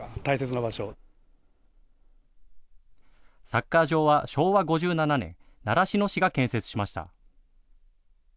サッカー場は昭和５７年、習志野市が建設しました。